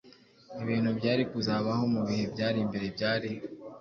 Ibintu byari kuzabaho mu bihe byari imbere byari ”